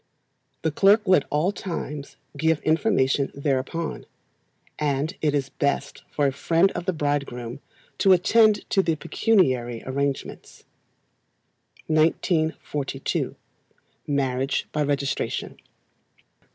The clerk will at all times give information thereupon; and it is best for a friend of the bridegroom to attend to the pecuniary arrangements. 1942. Marriage by Registration.